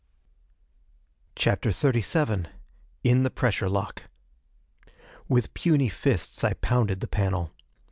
CHAPTER XXXVII In the Pressure Lock. With puny fists I pounded the panel.